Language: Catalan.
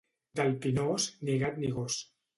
Del Pinós, ni gat ni gos.